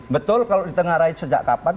betul kalau ditengah raih sejak kapan